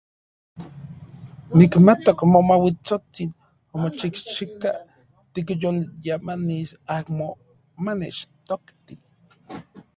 Nikmatok Momauitsotsin omochijchika tikyolyamanis amo manechtokti.